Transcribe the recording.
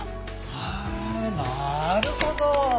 へえーなるほど。